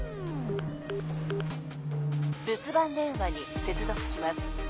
留守番電話に接続します。